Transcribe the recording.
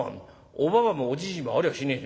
おばばもおじじもありゃしねえ。